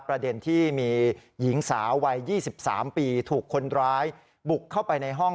ประเด็นที่มีหญิงสาววัย๒๓ปีถูกคนร้ายบุกเข้าไปในห้อง